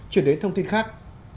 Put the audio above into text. chuyển đến thông tin khác